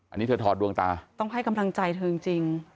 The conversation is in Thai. อันนี้เธอถอดดวงตาต้องให้กำลังใจเธอจริง